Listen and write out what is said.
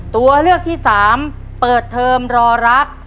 ตัวเลือกที่สามเปิดเทอมรอรัก